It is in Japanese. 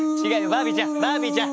バービーちゃんバービーちゃん！